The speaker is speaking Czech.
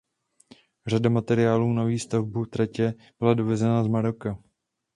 Řada materiálů na výstavbu tratě byla dovezena z Maroka.